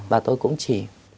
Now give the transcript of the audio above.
và tôi cũng chỉ